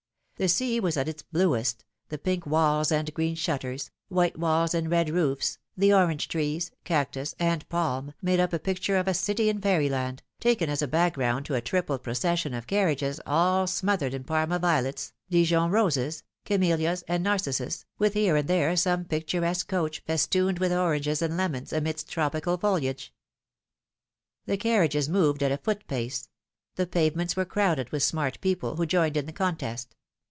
The sea was at its bluest, the pink walls and green shutters, white walls and red roofs, the orange trees, cactus, and palm, made up a picture of a city in fairyland, taken as a background to a triple procession of carriages all smothered in Parma violets, Dijon roses, camel lias, and narcissus, with here and there some picturesque coach festooned with oranges and lemons amidst tropical foliage, The carriages moved at a foot pace ; the pavements were crowded with smart people, who joined in the contest.